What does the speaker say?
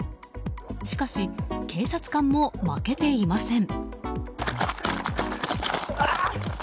しかし、警察官も負けていません。